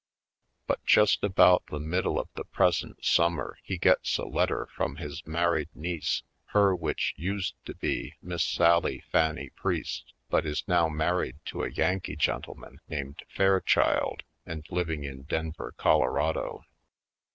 But just about the middle of the present summer he gets a letter from his married niece, her which used to be Miss Sally Fanny Priest but is now married to a Yan kee gentleman named Fairchild and living in Denver, Colorado.